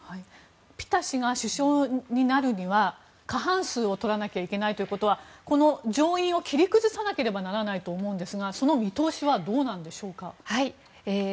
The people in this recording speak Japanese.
ピタ氏が首相になるには過半数を取らなければいけないということはこの上院を切り崩さなければならないと思うんですがその見通しはどうなんでしょうか。